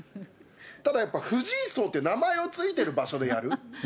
ただやっぱ、藤井荘って名前の付いてる場所でやる。